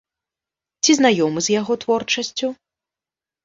Ці знаёмы з яго творчасцю?